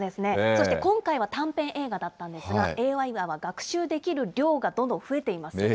そして今回は短編映画だったんですが、ＡＩは学習できる量がどんどん増えています。